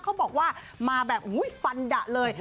เขาบอกว่ามาแบบฟันดะเลย